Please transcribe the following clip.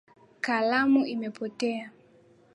Kalamu imepotea